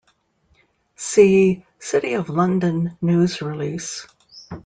See: City of London news release.